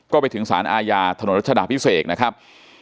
ก็ไปถึงสารอาญาถนนรัชดาพิเศษนะครับ